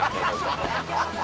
ハハハハハ！